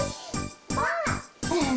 ばあっ！